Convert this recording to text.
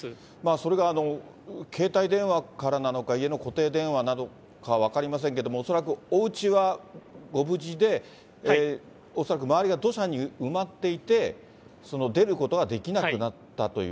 それが携帯電話からなのか、家の固定電話なのか分かりませんけれども、恐らくおうちはご無事で、恐らく周りが土砂に埋まっていて、出ることができなくなったという。